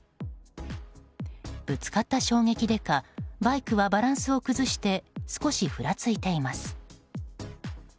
ぶつかった衝撃でかバイクはバランスを崩して少しふらついています。